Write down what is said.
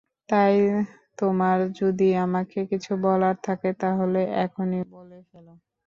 তাই তোমার যদি আমাকে কিছু বলার থাকে, তাহলে এখনই বলে ফেলো।